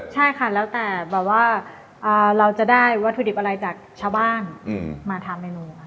ใช่ค่ะแล้วแต่แบบว่าเราจะได้วัตถุดิบอะไรจากชาวบ้านมาทำเมนูค่ะ